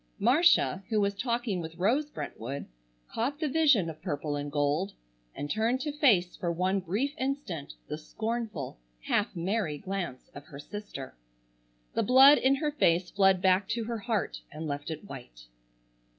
Marcia, who was talking with Rose Brentwood, caught the vision of purple and gold and turned to face for one brief instant the scornful, half merry glance of her sister. The blood in her face fled back to her heart and left it white.